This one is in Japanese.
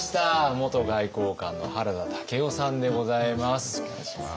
元外交官の原田武夫さんでございます。